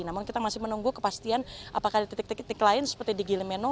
namun kita masih menunggu kepastian apakah di titik titik lain seperti di gili meno